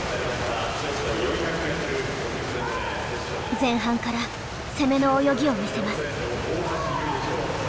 前半から攻めの泳ぎを見せます。